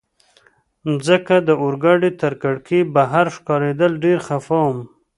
مځکه د اورګاډي تر کړکۍ بهر ښکارېدل، ډېر خفه وم.